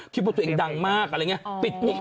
คิดว่าตัวเองดังมากอะไรอย่างเงี้ย